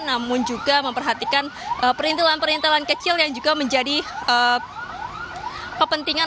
namun juga memperhatikan perintilan perintilan kecil yang juga menjadi kepentingan